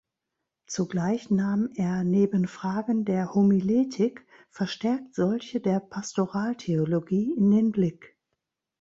Zugleich nahm er neben Fragen der Homiletik verstärkt solche der Pastoraltheologie in den Blick.